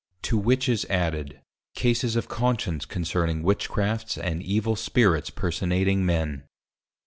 To which is added, \Cases of Conscience\ Concerning Witchcrafts and Evil Spirits Personating Men.